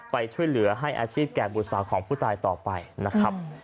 ไปช่วยเหลือให้อาชีพแก่บุษาของผู้ตายต่อไปนะครับ